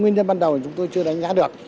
nguyên nhân ban đầu chúng tôi chưa đánh giá được